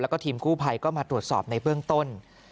แล้วก็ทีมกู้ภัยก็มาตรวจสอบในเบื้องต้น